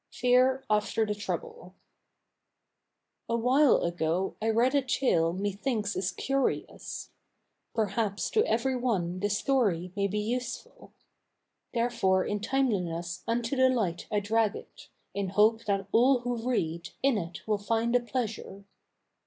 FEAR AFTER THE TROUBLE Awhile ago I read a tale methinks is curious. Perhaps to every one the story may be useful; Therefore in timeliness unto the light I drag it, In hope that all who read, in it will find a pleasure.